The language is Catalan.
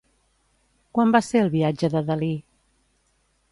Quan va ser el viatge de Dalí?